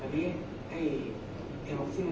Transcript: อันนี้ให้เอโรคซิล